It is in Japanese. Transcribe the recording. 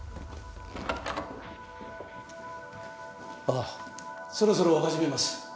ああそろそろ始めます。